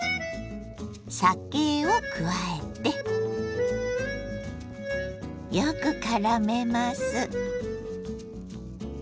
酒を加えてよくからめます。